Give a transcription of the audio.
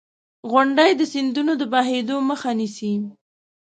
• غونډۍ د سیندونو د بهېدو مخه نیسي.